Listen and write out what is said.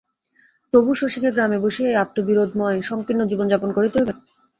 তবু শশীকে গ্রামে বসিয়া এই আত্মবিরোধময় সংকীর্ণ জীবন যাপন করিতে হইবে?